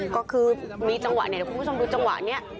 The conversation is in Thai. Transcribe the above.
ก็คือมีจังหวะเนี่ยเดี๋ยวคุณผู้ชมดูจังหวะนี้